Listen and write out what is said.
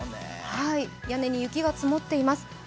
屋根に雪が積もっています。